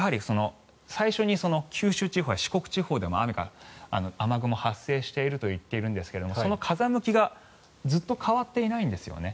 最初に九州地方や四国地方でも雨雲が発生していると言っているんですがその風向きがずっと変わっていないんですね。